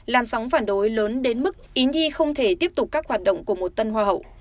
làn sóng phản đối lớn đến mức ý nhi không thể tiếp tục các hoạt động của một tân hoa hậu